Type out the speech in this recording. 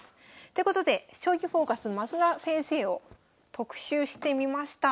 ということで「将棋フォーカス」升田先生を特集してみました。